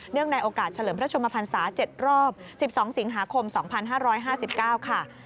ในโอกาสเฉลิมพระชมพันศา๗รอบ๑๒สิงหาคม๒๕๕๙ค่ะ